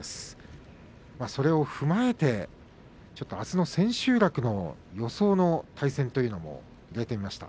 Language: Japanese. それを踏まえてあすの千秋楽の予想の対戦を挙げてみました。